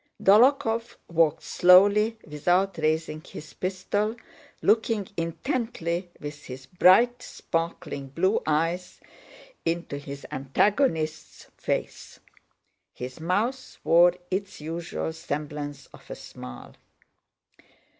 Dólokhov walked slowly without raising his pistol, looking intently with his bright, sparkling blue eyes into his antagonist's face. His mouth wore its usual semblance of a smile.